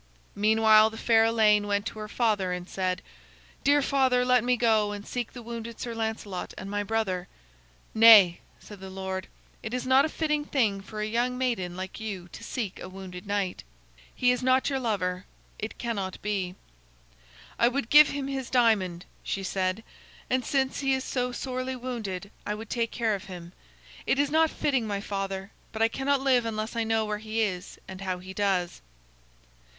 Meanwhile the fair Elaine went to her father and said: "Dear father, let me go and seek the wounded Sir Lancelot and my brother." "Nay," said the lord, "it is not a fitting thing for a young maiden like you to seek a wounded knight. He is not your lover. It cannot be." "I would give him his diamond," she said, "and since he is so sorely wounded, I would take care of him. It is not fitting, my father, but I cannot live unless I know where he is and how he does."